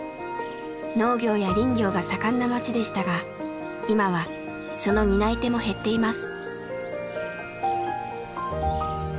農業や林業が盛んな町でしたが今はその担い手も減っています。